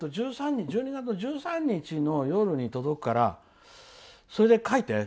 １２月１３日の夜に届くからそれで書いて。